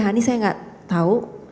hani saya tidak tahu